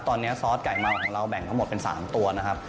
ตอนนี้ซอสไก่เมาของเราแบ่งทั้งหมดเป็น๓ตัวนะครับ